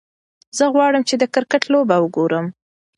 زه غواړم چې د کرکت لوبه وکړم.